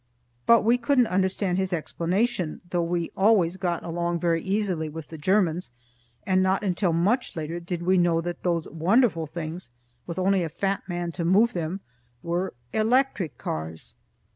But we couldn't understand his explanation, though we always got along very easily with the Germans, and not until much later did we know that those wonderful things, with only a fat man to move them, were electric cars.